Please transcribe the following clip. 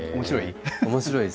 面白い？